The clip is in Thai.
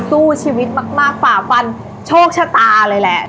สู้ชีวิตมากฝ่าฟันโชคชะตาเลยแหละ